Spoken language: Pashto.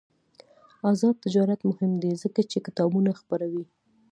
آزاد تجارت مهم دی ځکه چې کتابونه خپروي.